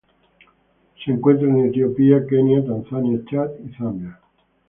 Se encuentra en Etiopía, Kenia, Tanzania, Chad y Zambia.